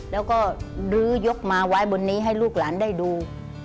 แล้วก็ลื้อยกมาไว้บนนี้ให้ลูกหลานได้ดู